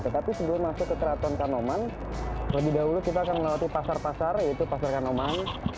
tetapi sebelum masuk ke keraton kanoman lebih dahulu kita akan melewati pasar pasar yaitu pasar kanoman